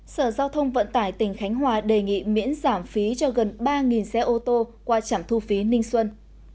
sở giao thông vận tải tỉnh khánh hòa đề nghị miễn giảm phí cho gần ba xe ô tô qua chảm thu phí ninh xuân